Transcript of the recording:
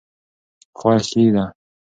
خوښي ده.